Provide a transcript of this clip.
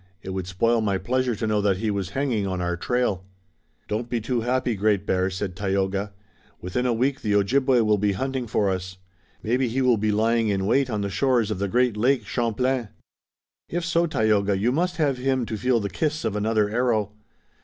It would spoil my pleasure to know that he was hanging on our trail." "Don't be too happy, Great Bear," said Tayoga. "Within a week the Ojibway will be hunting for us. Maybe he will be lying in wait on the shores of the great lake, Champlain." "If so, Tayoga, you must have him to feel the kiss of another arrow."